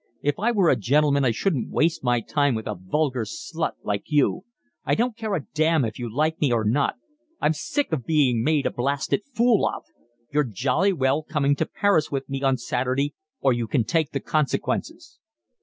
If I were a gentleman I shouldn't waste my time with a vulgar slut like you. I don't care a damn if you like me or not. I'm sick of being made a blasted fool of. You're jolly well coming to Paris with me on Saturday or you can take the consequences."